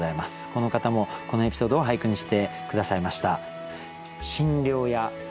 この方もこのエピソードを俳句にして下さいました。